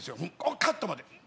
カットまで。